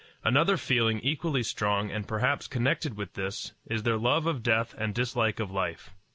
Another feeling, equally strong and perhaps connected with this, is their love of death and dislike of life.